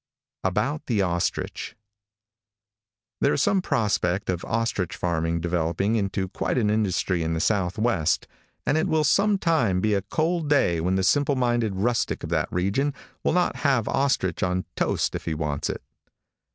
ABOUT THE OSTRICH THERE is some prospect of ostrich farming developing into quite an industry in the southwest, and it will sometime be a cold day when the simple minded rustic of that region will not have ostrich on toast if he wants it.